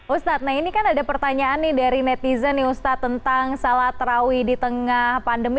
ustaz ini kan ada pertanyaan dari netizen ustaz tentang sholat terawi di tengah pandemi